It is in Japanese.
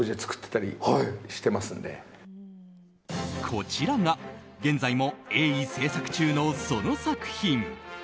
こちらが現在も鋭意制作中の、その作品。